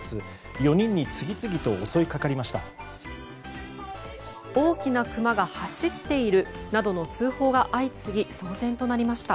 ４人に次々と襲いかかりました。